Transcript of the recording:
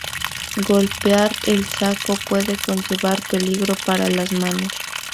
Golpear al saco puede conllevar peligro para las manos.